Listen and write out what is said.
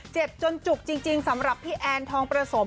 เจ็บจนจุกจริงสำหรับพี่แอนทองประสม